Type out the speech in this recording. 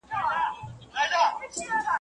خپل خر تړلی ښه دئ، که څه هم غل اشنا وي.